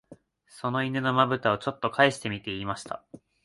その犬の眼ぶたを、ちょっとかえしてみて言いました